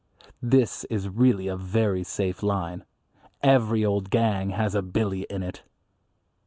This is really a very safe line. Every old gang has a Billy in it.